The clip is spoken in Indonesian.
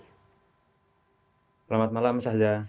selamat malam sahja